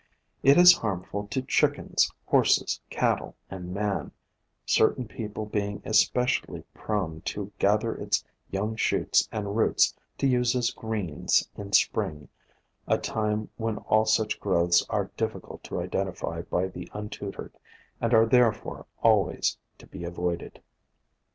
It is harmful to chickens, horses, cattle, and man, certain people being especially prone to gather its young shoots and roots to use as "greens" in Spring — a time when all such growths are difficult to identify by the untutored, and are therefore always to be avoided.